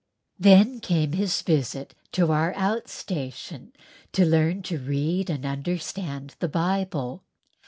Then came his visit to our out station to learn to read and understand the Bible.